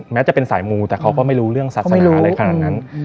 แม้จะเป็นสายมูแต่เขาก็ไม่รู้เรื่องศาสนาอะไรขนาดนั้น